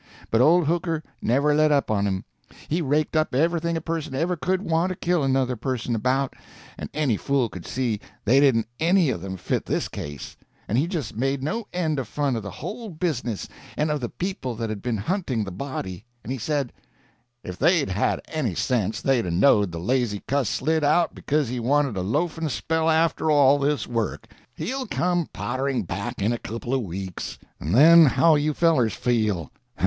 But old Hooker never let up on him. He raked up everything a person ever could want to kill another person about, and any fool could see they didn't any of them fit this case, and he just made no end of fun of the whole business and of the people that had been hunting the body; and he said: "If they'd had any sense they'd 'a' knowed the lazy cuss slid out because he wanted a loafing spell after all this work. He'll come pottering back in a couple of weeks, and then how'll you fellers feel?